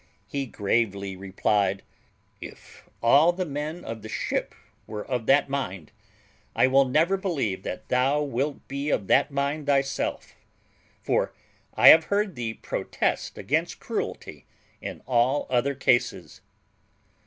He gravely replied, "If all the men in the ship were of that mind, I will never believe that thou wilt be of that mind thyself, for I have heard thee protest against cruelty in all other cases."